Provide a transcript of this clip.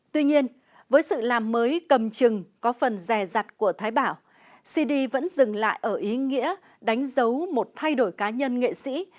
tuy nhiên với sự làm mới cầm chừng có phần rè rặt của thái bảo cd vẫn dừng lại ở ý nghĩa đánh dấu một thay đổi cá nhân nghệ sĩ